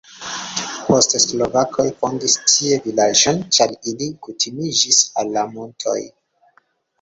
Poste slovakoj fondis tie vilaĝon, ĉar ili kutimiĝis al la montoj.